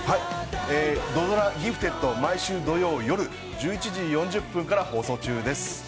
◆土ドラ「ギフテッド」が毎週土曜、夜１１時４０分から放送中です。